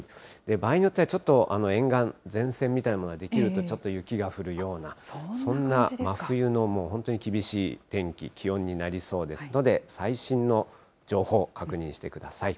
場合によっては、ちょっと沿岸、前線みたいなものが出来ると、ちょっと雪が降るような、そんな真冬の、もう本当に厳しい天気、気温になりそうですので、最新の情報、確認してください。